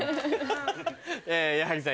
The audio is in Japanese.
矢作さん